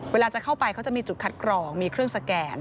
เวลาจะเข้าไปเขาจะมีจุดคัดกรองมีเครื่องสแกน